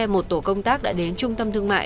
một tổ công tác đã đến trung tâm thương mại